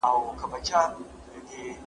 طبیعت نور نه غواړي دا وچه پاڼه پر ونه پرېږدي.